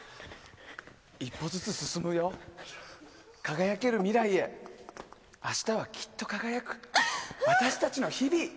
一歩ずつ進むよ輝ける未来へ明日はきっと輝く私たちの日々。